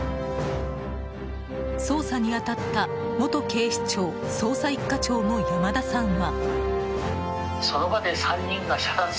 捜査に当たった元警視庁捜査１課長の山田さんは。